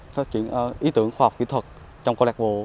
phát triển ý tưởng khoa học kỹ thuật trong cơ lạc vụ